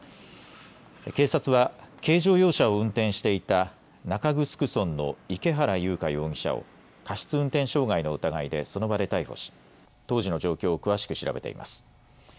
警察は軽乗用車を運転していた中城村の池原優香容疑者を過失運転傷害の疑いでその場で逮捕し、当時の状況を詳しく調べています。